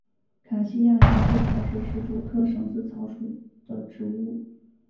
卡西亚蝇子草是石竹科蝇子草属的植物。